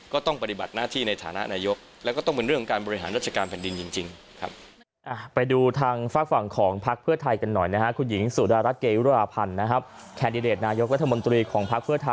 ก็ต้องปฏิบัติหน้าที่ในฐานะนายกแล้วก็ต้องเป็นเรื่องการบริหารราชการแผ่นดินจริงครับ